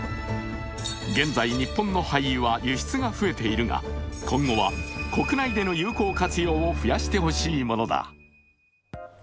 現在、日本の廃油は輸出が増えているが今後は国内での有効活用を増やしてほしいものだ。